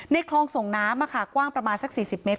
คลองส่งน้ำกว้างประมาณสัก๔๐เมตร